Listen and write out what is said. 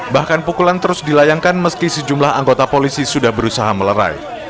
bahkan pukulan terus dilayangkan meski sejumlah anggota polisi sudah berusaha melerai